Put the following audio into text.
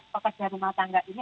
pekerja rumah tangga ini